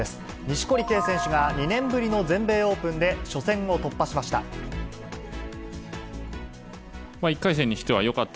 錦織圭選手が、２年ぶりの全米オープンで初戦を突破しました。